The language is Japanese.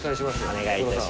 お願いいたします。